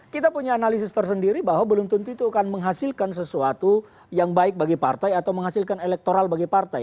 kita punya analisis tersendiri bahwa belum tentu itu akan menghasilkan sesuatu yang baik bagi partai atau menghasilkan elektoral bagi partai